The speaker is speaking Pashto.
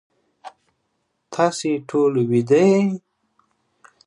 تاسی ټول ویده یی